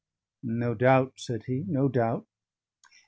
"No doubt," said he, "no doubt.